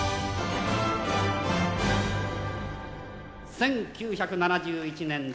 １９７１年度